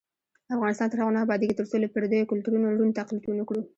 افغانستان تر هغو نه ابادیږي، ترڅو له پردیو کلتورونو ړوند تقلید ونکړو.